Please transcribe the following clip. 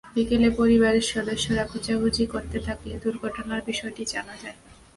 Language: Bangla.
বিকেলে পরিবারের সদস্যরা খোঁজাখুঁজি করতে থাকলে দুর্ঘটনার বিষয়টি জানা যায়।